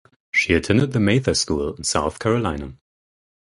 She attended the Mather School in South Carolina.